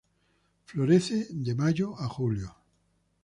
Florece de, Mayo a Julio.